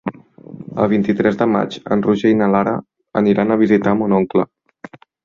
El vint-i-tres de maig en Roger i na Lara aniran a visitar mon oncle.